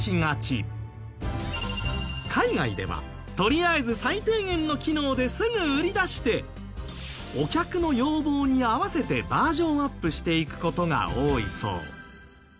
海外ではとりあえず最低限の機能ですぐ売り出してお客の要望に合わせてバージョンアップしていく事が多いそう。